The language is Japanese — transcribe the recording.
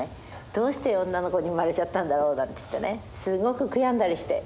どうして女の子に生まれちゃったんだろうなんて言ってねすごく悔やんだりして。